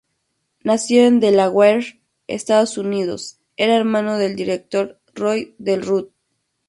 Nacido en Delaware, Estados Unidos, era hermano del director Roy Del Ruth.